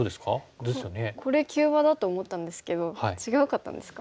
これ急場だと思ったんですけど違うかったんですか？